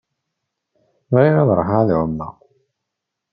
Bɣiɣ ad ṛuḥeɣ ad ɛummeɣ.